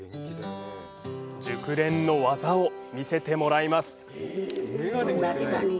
熟練の技を見せてもらいます。